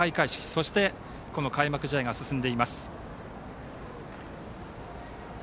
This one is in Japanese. そして、この開幕試合が進んでいます。